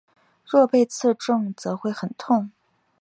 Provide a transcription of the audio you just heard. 若被刺中则会很痛。